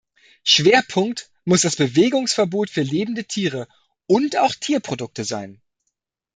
Schwerpunkt muss das Bewegungsverbot für lebende Tiere und auch Tierprodukte sein.